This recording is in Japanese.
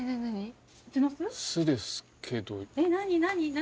何？